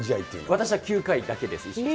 私は９回だけです。